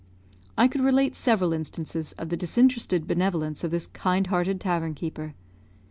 I could relate several instances of the disinterested benevolence of this kind hearted tavern keeper.